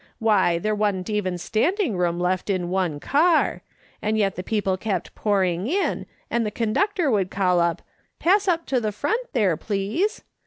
Why, there wa'n't even standing room left in one car, and yet the people kept pouring in, and the conductor would call out, 'Pass up to the front there, please!'